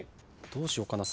どうしようかな